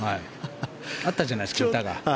あったじゃないですか、歌が。